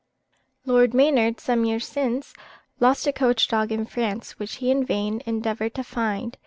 Lord Maynard, some years since, lost a coach dog in France, which he in vain endeavoured to find.